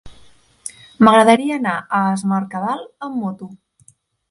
M'agradaria anar a Es Mercadal amb moto.